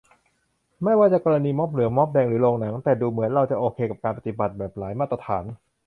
ไม่ว่าจะกรณีม็อบเหลืองแดงหรือโรงหนัง แต่ดูเหมือนเราก็จะโอเคกับการปฏิบัติแบบหลายมาตรฐาน